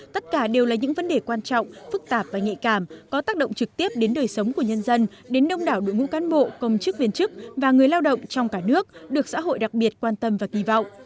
tất cả đều là những vấn đề quan trọng phức tạp và nhạy cảm có tác động trực tiếp đến đời sống của nhân dân đến đông đảo đội ngũ cán bộ công chức viên chức và người lao động trong cả nước được xã hội đặc biệt quan tâm và kỳ vọng